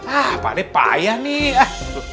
ah pak ini payah nih